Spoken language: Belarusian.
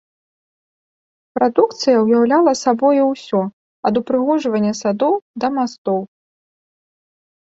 Прадукцыя ўяўляла сабою ўсё, ад упрыгожвання садоў да мастоў.